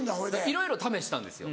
いろいろ試したんですよ。